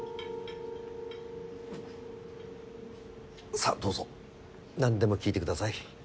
さあどうぞ何でも聞いてください。